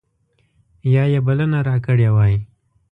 یا یې بلنه راکړې وای.